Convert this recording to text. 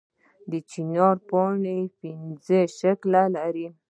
د چنار پاڼې پنجه یي شکل لري